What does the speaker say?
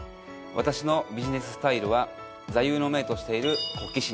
私のビジネススタイルは座右の銘としている。